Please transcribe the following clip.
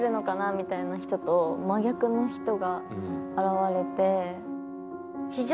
みたいな人と真逆の人が現れて。